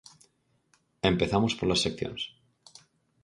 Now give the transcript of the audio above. Empezamos polas seccións.